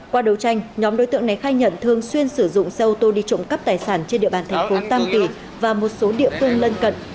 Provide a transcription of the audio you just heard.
qua đấu tranh nhóm đối tượng này khai nhận thường xuyên sử dụng xe ô tô đi trộm cắp tài sản trên địa bàn thành phố tam kỳ và một số địa phương lân cận